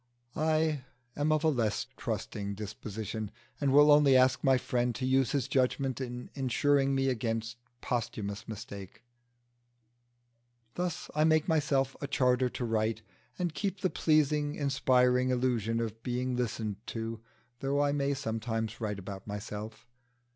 I am of a less trusting disposition, and will only ask my friend to use his judgment in insuring me against posthumous mistake. Thus I make myself a charter to write, and keep the pleasing, inspiring illusion of being listened to, though I may sometimes write about myself.